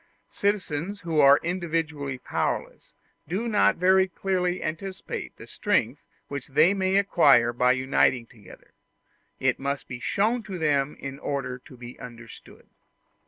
Citizens who are individually powerless, do not very clearly anticipate the strength which they may acquire by uniting together; it must be shown to them in order to be understood.